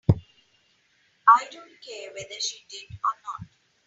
I don't care whether she did or not.